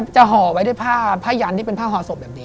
ห่อไว้ด้วยผ้ายันที่เป็นผ้าห่อศพแบบนี้